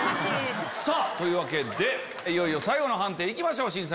というわけでいよいよ最後の判定行きましょう。